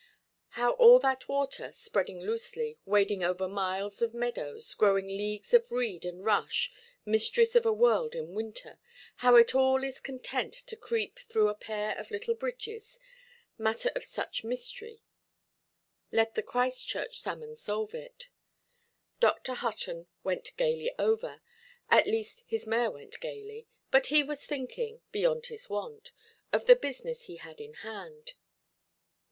How all that water, spreading loosely, wading over miles of meadows, growing leagues of reed and rush, mistress of a world in winter, how it all is content to creep through a pair of little bridges—matter of such mystery, let the Christchurch salmon solve it. Dr. Hutton went gaily over—at least his mare went gaily—but he was thinking (beyond his wont) of the business he had in hand.